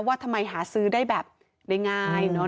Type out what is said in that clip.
ว่าทำไมหาซื้อได้แบบได้ง่าย